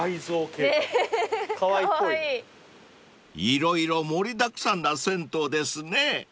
［色々盛りだくさんな銭湯ですね］